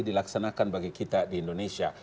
dilaksanakan bagi kita di indonesia